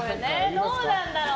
どうなんだろう。